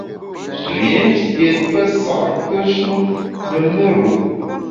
Rié nshié pesa’kùe-shu ne mùr-u.